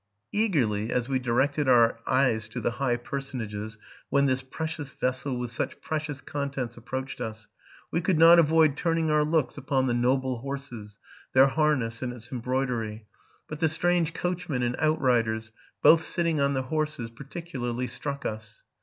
Eagerly as we directed our eyes to the high personages when this precious vessel with such precious contents approached us, we could not avoid turning our looks upon the noble horses, their harness, and its embroidery ; but the strange coachmen and outriders, both sitting on the horses, partic ularly struck us.